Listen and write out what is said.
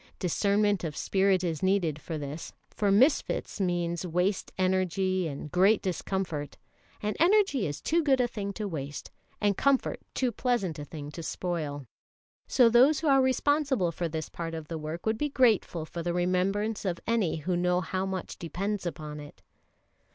Discernment of spirit is needed for this, for misfits means waste energy and great discomfort; and energy is too good a thing to waste, and comfort too pleasant a thing to spoil. So those who are responsible for this part of the work would be grateful for the remembrance of any who know how much depends upon it.